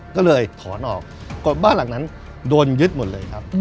ก็เลยถอนออกบ้านหลังนั้นโดนยึดหมดเลยครับ